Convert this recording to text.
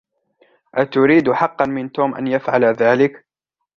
أتريد حقا من توم أن يفعل ذلك؟